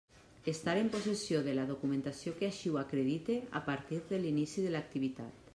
Estar en possessió de la documentació que així ho acredite a partir de l'inici de l'activitat.